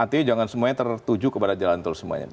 artinya jangan semuanya tertuju kepada jalan tol semuanya